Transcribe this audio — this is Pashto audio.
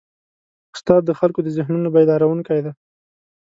استاد د خلکو د ذهنونو بیدارونکی دی.